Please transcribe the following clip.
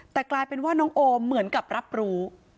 แต่กลายเป็นว่าน้องโอมเหมือนกับรับรู้